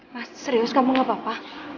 mas serius kamu gak apa apa